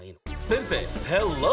先生！